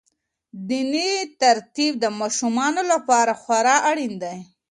دیني تربیت د ماشومانو لپاره خورا اړین دی.